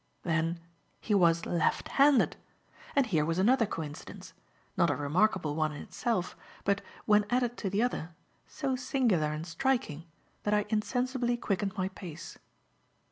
Then he was left handed! And here was another coincidence; not a remarkable one in itself, but, when added to the other, so singular and striking that I insensibly quickened my pace.